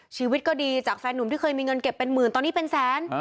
ชีวิตก็ดีจากแฟนหนุ่มที่เคยมีเงินเก็บเป็นหมื่นตอนนี้เป็นแสน